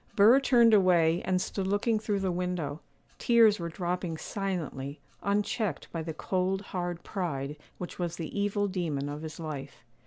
Burr turned away, and stood looking through the window; tears were dropping silently, unchecked by the cold, hard pride which was the evil demon of his life.